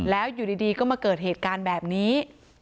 แล้วอยู่ดีก็มาเกิดเหตุการณ์แบบนี้